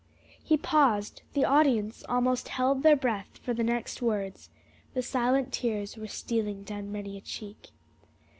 He paused; the audience almost held their breath for the next words, the silent tears were stealing down many a cheek.